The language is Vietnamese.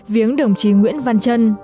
viếng đồng chí nguyễn văn trân